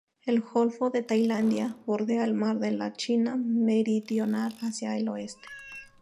El golfo de Tailandia bordea el mar de la China Meridional hacia el oeste.